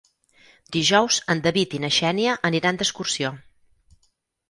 Dijous en David i na Xènia aniran d'excursió.